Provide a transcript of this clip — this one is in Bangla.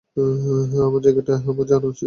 আমার জায়গাটা আমার জানা উচিত।